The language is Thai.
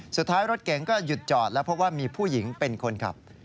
สุดท้ายรถเก๋งก็หยุดจอดแล้วเพราะว่ามีผู้หญิงเป็นคนขับ